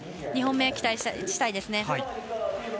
２本目、期待したいですね。